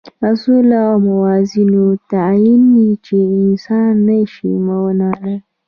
اصولو او موازینو تعدیل چې انسان نه شي منلای.